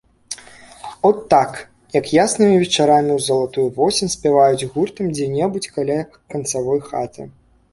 От так, як яснымі вечарамі ў залатую восень спяваюць гуртам дзе-небудзь каля канцавой хаты.